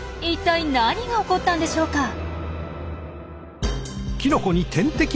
いったい何が起こったんでしょうか？